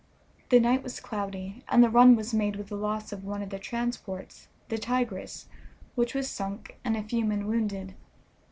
The night was cloudy, and the run was made with the loss of one of the transports, the Tigress, which was sunk, and a few men wounded.